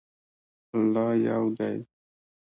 الله یو دی.